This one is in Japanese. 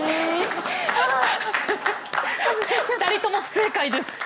２人とも不正解です。